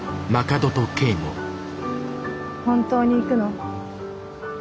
本当に行くの？